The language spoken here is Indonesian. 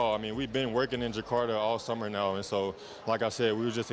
tapi kita tidak ada tekanan sama sekali